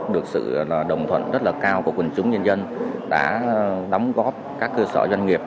được sự đồng thuận rất là cao của quần chúng nhân dân đã đóng góp các cơ sở doanh nghiệp